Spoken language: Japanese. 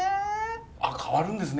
あっ変わるんですね